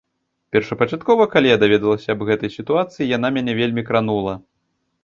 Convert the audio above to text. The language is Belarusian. Першапачаткова, калі я даведалася аб гэтай сітуацыі, яна мяне вельмі кранула.